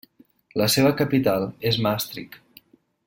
La seva capital és Maastricht.